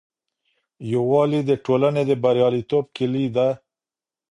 یووالي د ټولني د بریالیتوب کیلي ده.